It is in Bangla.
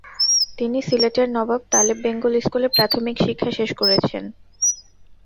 তিনি সিলেটের নবাব তালেব বেঙ্গল স্কুলে প্রাথমিক শিক্ষা শেষ করেছেন।